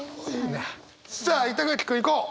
さあ板垣君いこう！